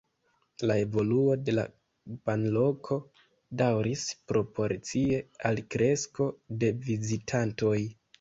La evoluo de la banloko daŭris proporcie al kresko de vizitantoj.